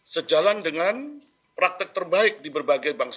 sejalan dengan praktek terbaik di berbagai bangsa